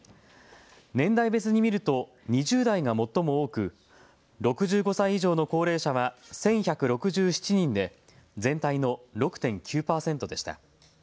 年代別に見ると２０代が最も多く６５歳以上の高齢者は１１６７人で全体の６．９％でした。